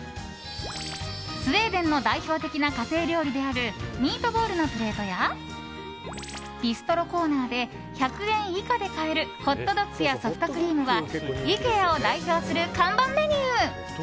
スウェーデンの代表的な家庭料理であるミートボールのプレートやビストロコーナーで１００円以下で買えるホットドッグやソフトクリームはイケアを代表する看板メニュー。